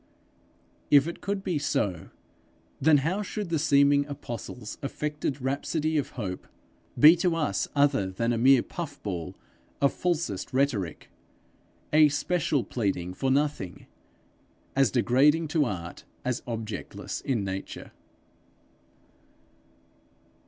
If it could be so, then how should the seeming apostle's affected rhapsody of hope be to us other than a mere puff ball of falsest rhetoric, a special pleading for nothing, as degrading to art as objectless in nature?